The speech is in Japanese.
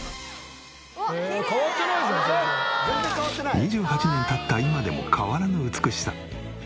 ２８年経った今でも変わらぬ美しさ。